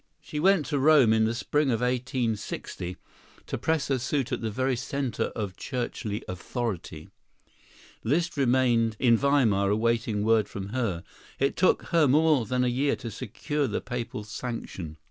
She went to Rome in the spring of 1860, to press her suit at the very centre of churchly authority. Liszt remained in Weimar awaiting word from her. It took her more than a year to secure the Papal sanction.